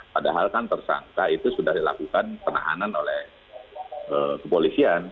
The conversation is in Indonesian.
padahal kan tersangka itu sudah dilakukan penahanan oleh kepolisian